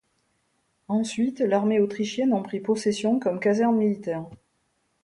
Ensuite, l'armée autrichienne en prit possession comme caserne militaire.